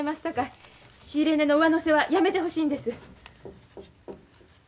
さかい仕入れ値の上乗せはやめてほしいんです。